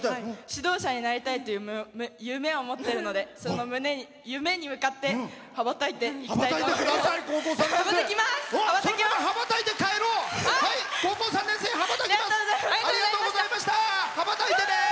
指導者になりたいという夢を持っているのでその夢に向かって羽ばたいていきたいと思います。